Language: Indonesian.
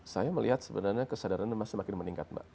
saya melihat sebenarnya kesadarannya semakin meningkat mbak